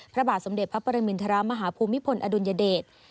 พระบาทสมเด็จพระปรมินทรมาฮภูมิพลอดุลยเดช